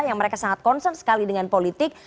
yang mereka sangat concern sekali dengan politik